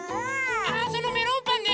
あそのメロンパンね！